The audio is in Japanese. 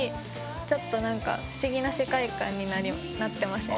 ちょっとなんか不思議な世界観になってません？